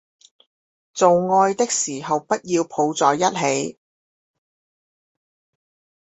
做愛的時候不要抱在一起